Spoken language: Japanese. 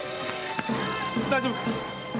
大丈夫か？